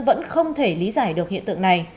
vẫn không thể lý giải được hiện tượng này